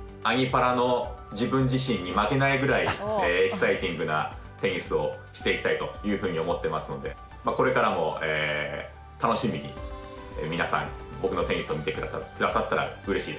「アニ×パラ」の自分自身に負けないぐらいエキサイティングなテニスをしていきたいというふうに思ってますのでこれからも楽しみに皆さん僕のテニスを見てくださったらうれしいです。